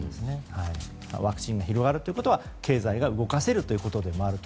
ワクチンが広がるということは経済が動かせるということでもあると。